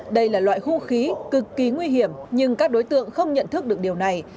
đây là loại hung khí cực kỳ nguy hiểm nhưng các đối tượng không nhận thức được điều này